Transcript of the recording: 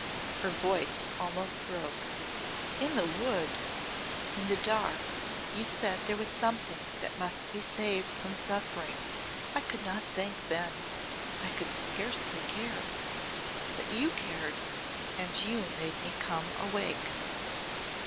Her voice almost broke. "In the Wood in the dark you said there was something that must be saved from suffering. I could not think then I could scarcely care. But you cared, and you made me come awake.